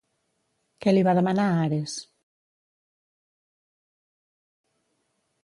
Què li va demanar Ares?